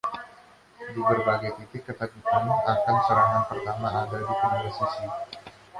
Di berbagai titik, ketakutan akan serangan pertama ada di kedua sisi.